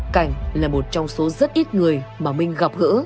cảnh là một trong số rất ít người mà minh gặp gỡ